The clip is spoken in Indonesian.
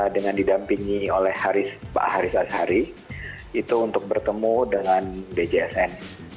dengan didampingi oleh pak haris asari itu untuk bertemu dengan djsn